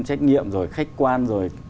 trách nhiệm rồi khách quan rồi